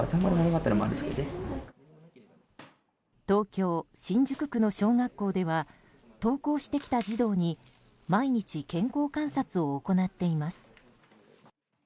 東京・新宿区の小学校では登校してきた児童に毎日、健康観察を行っています。